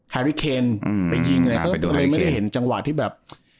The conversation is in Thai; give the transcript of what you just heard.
แฮริเคนไปยิงอะไรเขาก็เลยไม่ได้เห็นจังหวะที่แบบ